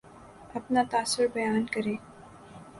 اپنا تاثر بیان کریں